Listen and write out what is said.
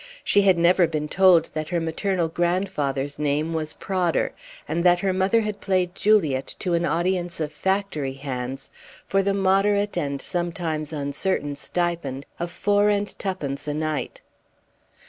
She had never been told that her maternal grandfather's name was Prodder, and that her mother had played Juliet to an audience of factory hands for the moderate and sometimes uncertain stipend of four and twopence a night.